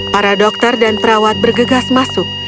para dokter dan perawat bergegas masuk